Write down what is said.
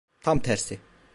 Tam tersi.